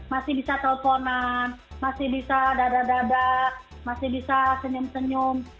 masih bisa teleponan masih bisa dada dada masih bisa senyum senyum